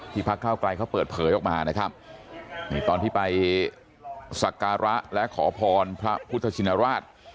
พระเก้าไกลเขาเปิดเผยออกมานะครับนี่ตอนที่ไปสักการะและขอพรพระพุทธชินราช